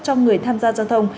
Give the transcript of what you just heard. cho người tham gia giao thông